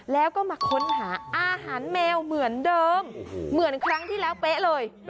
แล้วก็มาค้นหาอาหารแมวเหมือนเดิมเหมือนครั้งที่แล้วเป๊ะเลย